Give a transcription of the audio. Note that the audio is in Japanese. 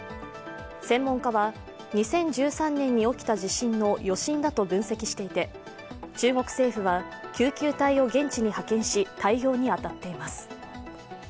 専門家は、２０１３年に起きた地震の余震だと分析していて中国政府は救急隊を現地に派遣し、対応に当たっています。